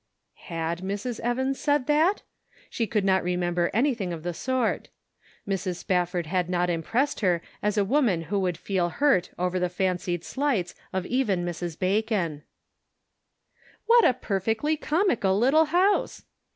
Had Mrs. Evans said that ? She could not remember anything of the sort. Mrs. Spafford 68 The Pocket Measure. had not impressed her as a woman who would feel hurt over the fancied slights of even Mrs. Bacon. " What a perfectly comical little house